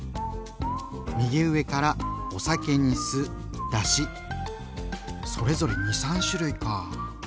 右上からお酒に酢だしそれぞれ２３種類かぁ。